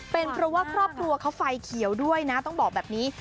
เป็นเพราะว่าครอบครัวเขาไฟเขียวด้วยนะต้องบอกแบบนี้